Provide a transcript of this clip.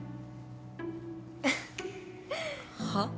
はっ？